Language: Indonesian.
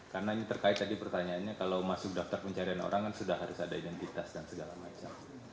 karena ini terkait tadi pertanyaannya kalau masuk daftar pencarian orang kan sudah harus ada identitas dan segala macam